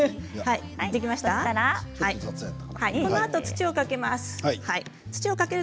このあと土をかけます。